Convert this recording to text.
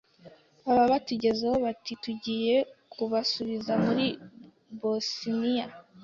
baba batugezeho bati tugiye kubasubiza muri bosiniya